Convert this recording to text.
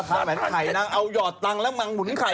นาธารแหวนไข่นางเอายอดตังแล้วมังหมุนไข่